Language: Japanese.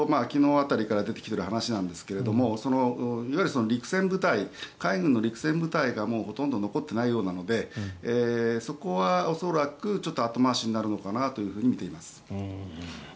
昨日辺りから出てきてる話なんですがいわゆる陸戦部隊海軍の陸戦部隊がほとんど残っていないようなのでそこは恐らく後回しになるのかなと見ています。